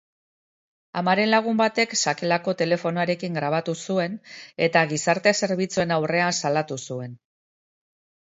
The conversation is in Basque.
Amaren lagun batek sakelako telefonoarekin grabatu zuen eta gizarte-zerbitzuen aurrean salatu zuen.